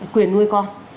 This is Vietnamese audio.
quyền nuôi con